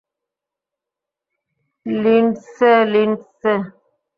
Lindsay, Lindsay.